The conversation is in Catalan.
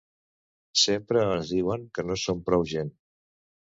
Sempre ens diuen que no som prou gent.